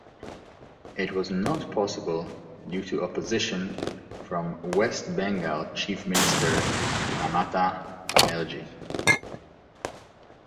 It was not possible due to opposition from West Bengal Chief Minister Mamata Banerjee.